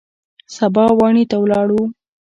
سبا واڼې ته ولاړو.